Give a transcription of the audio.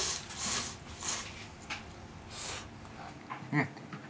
うん。